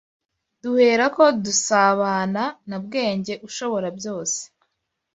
duherako dusābāna na Bwenge ushobora byose